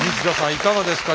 いかがですか？